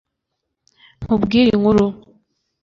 nkubwire inkuru